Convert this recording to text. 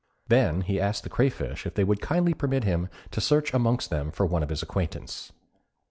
Then he asked the crayfish if they would kindly permit him to search amongst them for one of his acquaintance.